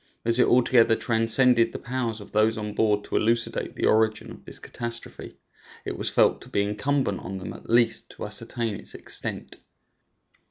As it altogether transcended the powers of those on board to elucidate the origin of this catastrophe, it was felt to be incumbent on them at least to ascertain its extent.